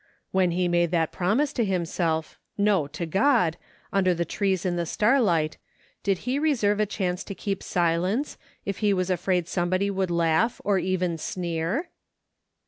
When he made that promise to himself, no, to God, under the trees in the starlight, did he reserve a chance to keep silence, if he was afraid somebody would laugh, or even sneer